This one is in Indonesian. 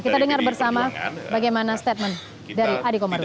kita dengar bersama bagaimana statement dari adekomarudin